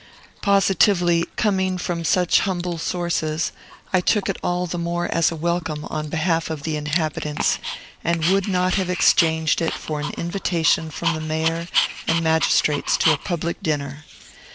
Positively, coming from such humble sources, I took it all the more as a welcome on behalf of the inhabitants, and would not have exchanged it for an invitation from the mayor and magistrates to a public dinner.